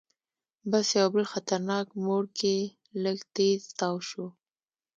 بس یو بل خطرناک موړ کې لږ تیز تاو شو.